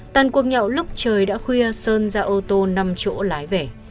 tàn quốc nhậu lúc trời đã khuya sơn ra ô tô năm chỗ lái về